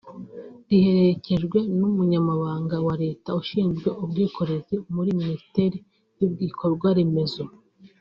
riherekejwe n’Umunyamabanga wa Leta ushinzwe ubwikorezi muri Minisiteri y’Ibikorwaremezo